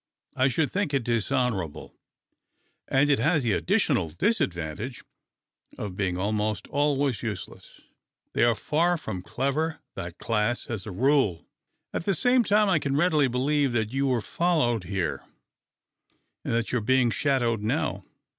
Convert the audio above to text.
I should think it dishonourable, and it has the additional disadvantage of being almost always useless — they are far from clever, that class, as a rule. At the same time I can readily believe that you were followed here, and that you are being shadowed now.